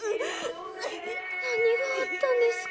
何があったんですか？